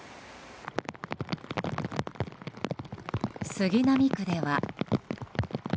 杉並区では。